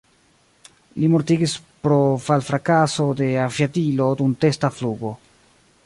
Li mortigis pro fal-frakaso de aviadilo dum testa flugo.